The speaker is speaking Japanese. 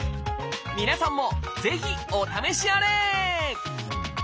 皆さんもぜひお試しあれ！